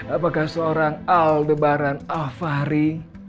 apakah seorang aldebaran al fahri